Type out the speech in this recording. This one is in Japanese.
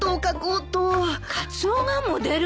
カツオがモデル？